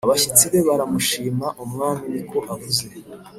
abashyitsi be baramushima Umwami ni ko avuze